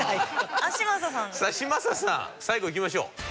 さあ嶋佐さん最後いきましょう。